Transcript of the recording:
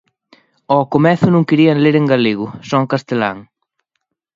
Ao comezo non querían ler en galego, só en castelán.